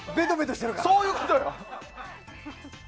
そういうことよ！